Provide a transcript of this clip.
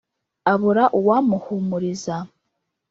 abura uwamuhumuriza,